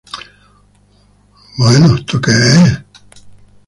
Why does trust equal suffering.